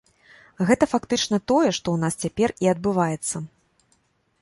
Гэта фактычна тое, што ў нас цяпер і адбываецца.